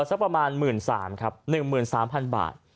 สักประมาณหมื่นสามครับหนึ่งหมื่นสามพันบาท